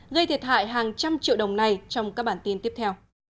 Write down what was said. gây thiệt hại hàng trăm triệu đồng này trong các bản tin tiếp theo